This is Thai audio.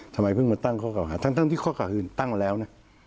ทำไมเพิ่งมาตั้งข้อเก่าหาทั้งที่ข้อเก่าอื่นตั้งแล้วนะ